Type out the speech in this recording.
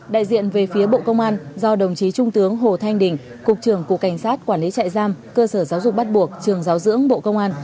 đại diện về phía bộ công an do đồng chí trung tướng hồ thanh đình cục trưởng cục cảnh sát quản lý trại giam cơ sở giáo dục bắt buộc trường giáo dưỡng bộ công an